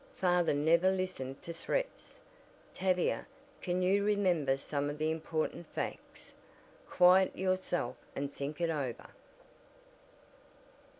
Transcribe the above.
"Father never listened to threats! Tavia, can you remember some of the important facts? Quiet yourself and think it over."